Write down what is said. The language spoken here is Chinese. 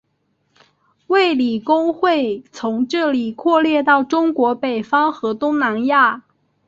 卫理公会从这里扩展到中国北方和东南亚。